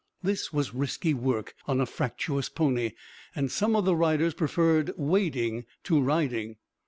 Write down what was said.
This was risky work on a fractious pony, and some of the riders preferred wading to riding.